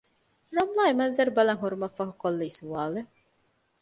ރަމްލާ އެމަންޒަރު ބަލަން ހުރުމަށްފަހު ކޮށްލީ ސްވާލެއް